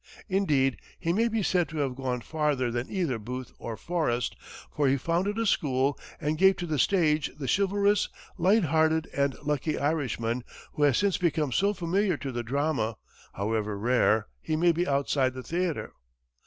Indeed, he may be said to have gone farther than either Booth or Forrest, for he founded a school and gave to the stage the chivalrous, light hearted and lucky Irishman, who has since become so familiar to the drama, however rare he may be outside the theatre.